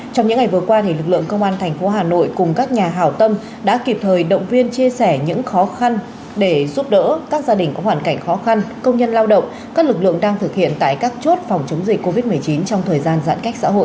trong những ngày vừa qua lực lượng công an tp hà nội cùng các nhà hào tâm đã kịp thời động viên chia sẻ những khó khăn để giúp đỡ các gia đình có hoàn cảnh khó khăn công nhân lao động các lực lượng đang thực hiện tại các chốt phòng chống dịch covid một mươi chín trong thời gian giãn cách xã hội